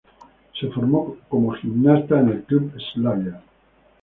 Se formó como gimnasta en el club Slavia.